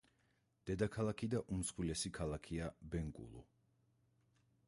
დედაქალაქი და უმსხვილესი ქალაქია ბენკულუ.